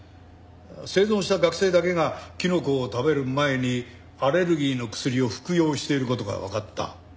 生存した学生だけがキノコを食べる前にアレルギーの薬を服用している事がわかった。